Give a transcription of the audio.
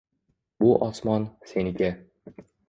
Bu osmon – seniki!